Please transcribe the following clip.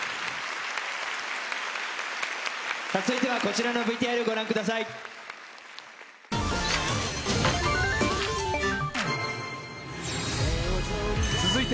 続いてはこちらのＶＴＲご覧ください。